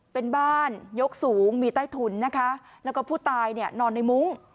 เป็นบ้านยกสูงมีใต้ถุนนะคะแล้วก็ผู้ตายเนี่ยนอนในมุ้ง